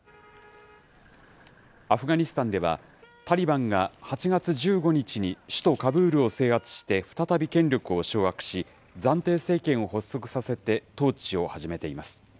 アフガニスタンでは、タリバンが８月１５日に首都カブールを制圧して再び権力を掌握し、暫定政権を発足させて統治を始めています。